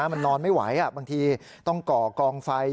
มันนอนไม่ไหวบางทีต้องก่อกองไฟ